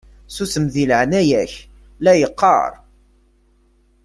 Susem deg leɛnaya-k la yeqqaṛ!